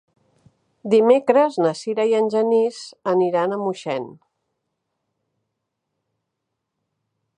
Dimecres na Sira i en Genís aniran a Moixent.